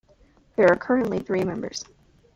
There are currently three members.